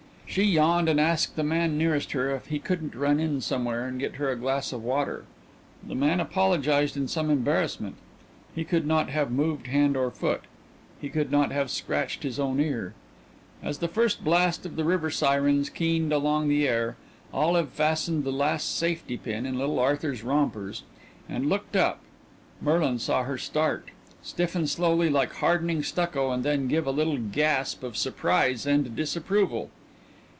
She yawned and asked the man nearest her if he couldn't run in somewhere and get her a glass of water. The man apologized in some embarrassment. He could not have moved hand or foot. He could not have scratched his own ear.... As the first blast of the river sirens keened along the air, Olive fastened the last safety pin in little Arthur's rompers and looked up. Merlin saw her start, stiffen slowly like hardening stucco, and then give a little gasp of surprise and disapproval.